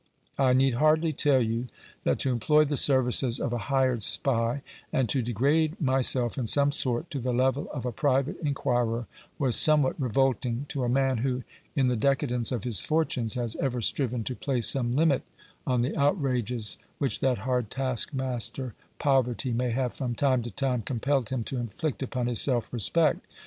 I need hardly tell you, that to employ the services of a hired spy, and to degrade myself in some sort to the level of a private inquirer, was somewhat revolting to a man, who, in the decadence of his fortunes, has ever striven to place some limit on the outrages which that hard taskmaster, poverty, may have from time to time compelled him to inflict upon his self respect.